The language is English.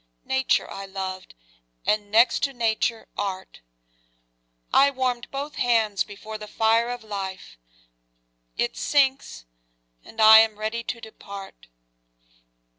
Nature I loved and, next to Nature, Art: I warm'd both hands before the fire of life; It sinks, and I am ready to depart.